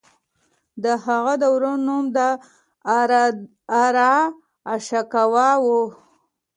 د هغه د ورور نوم داراشکوه و.